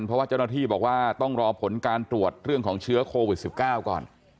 เพราะว่าเจ้าหน้าที่บอกว่าต้องรอผลการตรวจเรื่องของเชื้อโควิด๑๙ก่อน